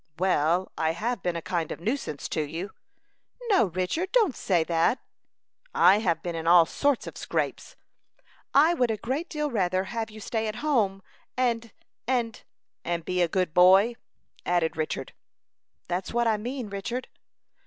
"Well, I have been a kind of nuisance to you." "No, Richard; don't say that." "I have been in all sorts of scrapes." "I would a great deal rather have you stay at home, and and " "And be a good boy," added Richard. "That's what I mean, Richard."